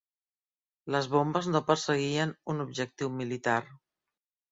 Les bombes no perseguien un objectiu militar.